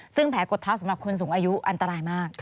ซึ่งแผลกดเท้าสำหรับคนสูงอายุอันตรายมาก